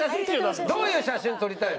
どういう写真撮りたいの？